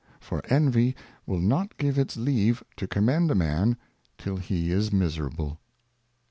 For Envy will not give its leave to commend a Man, till he is miserable.